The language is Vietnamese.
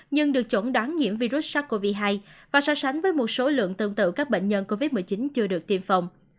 nhưng được chuẩn đoán nhiễm virus sars cov hai và so sánh với một số lượng tương tự các bệnh nhân covid một mươi chín chưa được tiêm phòng